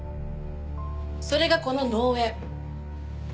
それがこの農園。